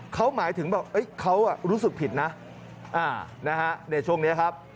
เขาหมายถึงแบบเขารู้สึกผิดนะในช่วงนี้ครับ